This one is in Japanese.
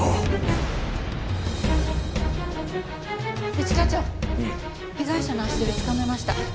一課長被害者の足取りつかめました。